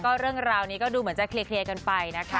เรื่องราวนี้ก็ดูเหมือนจะเคลียร์กันไปนะคะ